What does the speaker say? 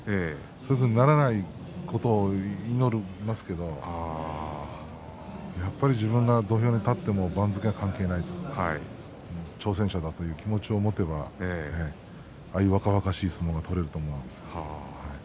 そういうふうにならないことを祈りますけれどやっぱり自分が土俵に立っても番付は関係ない挑戦者だという気持ちを持てばそういう若々しい相撲が取れると思います。